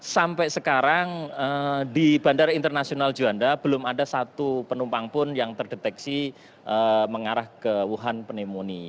sampai sekarang di bandara internasional juanda belum ada satu penumpang pun yang terdeteksi mengarah ke wuhan pneumonia